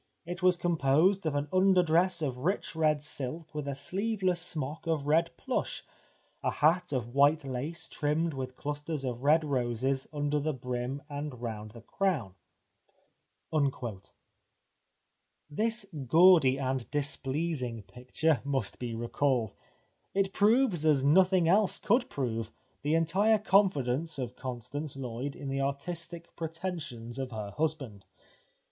It was composed of "an under dress of rich red silk with a sleeveless smock of red plush, a hat of white lace trimmed with clusters of red roses under the brim and round the crown." This gaudy and displeasing picture must be recalled. It proves as nothing else could prove the entire confidence of Constance Lloyd in the artistic pretensions of her husband.